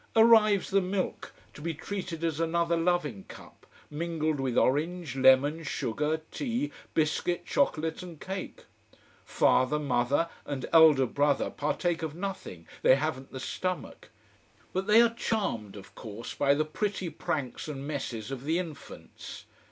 Arrives the milk, to be treated as another loving cup, mingled with orange, lemon, sugar, tea, biscuit, chocolate, and cake. Father, mother, and elder brother partake of nothing, they haven't the stomach. But they are charmed, of course, by the pretty pranks and messes of the infants.